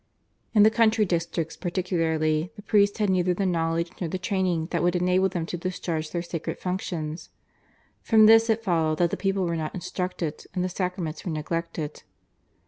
In the country districts particularly, the priests had neither the knowledge nor the training that would enable them to discharge their sacred functions. From this it followed that the people were not instructed, and the sacraments were neglected.